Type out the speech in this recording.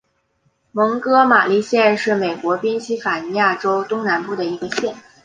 蒙哥马利县是美国宾夕法尼亚州东南部的一个县。